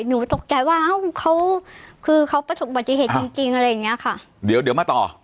หนูตกใจว่าเขาประสบบติเหตุจริงอะไรอย่างงี้ค่ะ